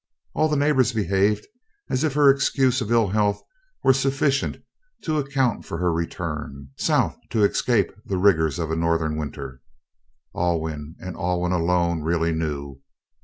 All the neighbors behaved as if her excuse of ill health were sufficient to account for her return South to escape the rigors of a Northern winter. Alwyn, and Alwyn alone, really knew.